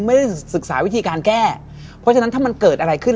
ไม่ได้ศึกษาวิธีการแก้เพราะฉะนั้นถ้ามันเกิดอะไรขึ้น